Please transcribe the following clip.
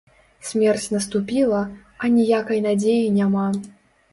Смерць наступіла, аніякай надзеі няма.